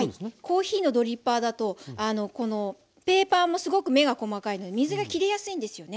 コーヒーのドリッパーだとこのペーパーもすごく目が細かいので水がきりやすいんですよね。